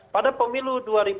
pada pemilu dua ribu empat